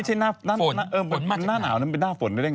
หน้านาวนั้นเป็นหน้าฝนไม่ได้การเรียก